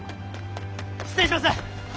失礼します。